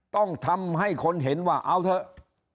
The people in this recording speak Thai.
ต้องทำให้คนเห็นว่าเอาเถอะ